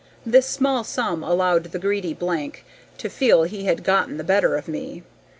This small sum allowed the greedy b to feel he had gotten the better of me.